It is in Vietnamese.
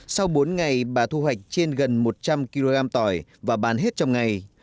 sau bốn ngày bà thu hoạch trên gần một trăm linh kg tỏi và bán hết trong ngày